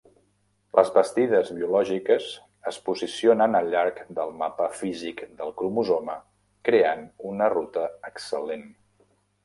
Les bastides biològiques es posicionen al llarg del mapa físic del cromosoma creant una "ruta excel·lent".